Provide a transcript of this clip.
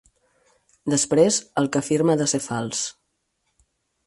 Després, el que afirma ha de ser fals.